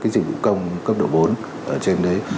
dịch vụ công cấp độ bốn ở trên đấy